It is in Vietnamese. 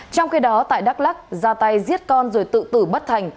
trong khi đó tại đắk lắc ra tay giết con rồi tự tử bất thành